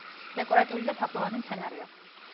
დეკორატიული და თაფლოვანი მცენარეა.